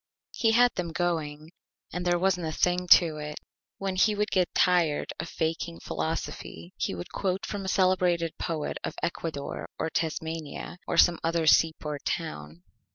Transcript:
He had them Going, and there wasn't a Thing to it. When he would get tired of faking Philosophy he would quote from a Celebrated Poet of Ecuador or Tasmania or some other Seaport Town.